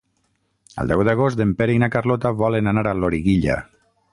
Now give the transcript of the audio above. El deu d'agost en Pere i na Carlota volen anar a Loriguilla.